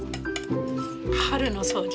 春の掃除。